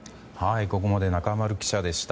ここまで中丸記者でした。